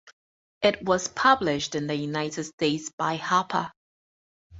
It was published in the United States by Harper.